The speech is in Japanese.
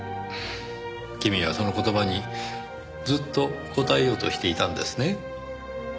君はその言葉にずっと応えようとしていたんですね。